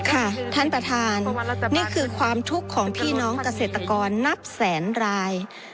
ท่านประธานนี่คือความทุกข์ของพี่น้องเกษตรกรนับแสนราย